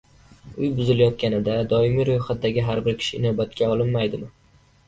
Uy buzilayotganda doimiy ro`yxatdagi har bir kishi inobatga olinmaydimi?